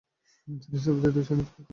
তিনি সুফিদের দুই শ্রেণিতে ভাগ করেন।